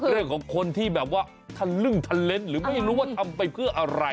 เรื่องของคนที่แบบว่าทะลึ่งทะเลนส์หรือไม่รู้ว่าทำไปเพื่ออะไร